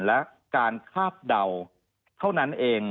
และการคาดเดาเท่านั้นเอง